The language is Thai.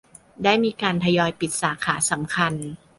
ได้มีการทยอยปิดสาขาสำคัญ